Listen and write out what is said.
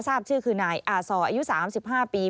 ทราบชื่อคือนายอาซออายุ๓๕ปี